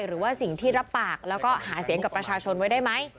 หรือว่าสิ่งที่รับปากแล้วก็หาเสียงกับประชาชนไว้ได้ไหม